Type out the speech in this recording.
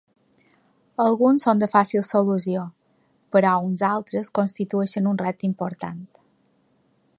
Alguns són de fàcil solució, però uns altres constitueixen un repte important.